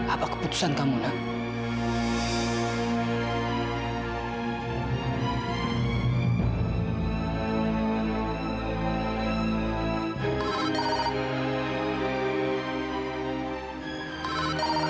apa keputusan kamu nak